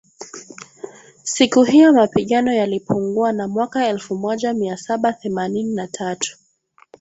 siku hiyo mapigano yalipungua na mwaka elfumoja miasaba themanini na tatu